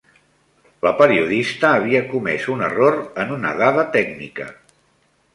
La periodista havia comès un error en una dada tècnica.